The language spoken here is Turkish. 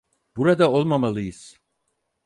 Burada olmamalıyız.